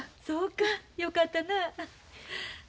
そうかよかったな。